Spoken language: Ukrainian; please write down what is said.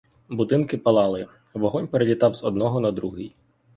Будинки палали, вогонь перелітав з одного на другий.